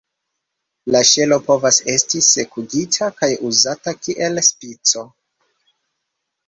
La ŝelo povas esti sekigita kaj uzata kiel spico.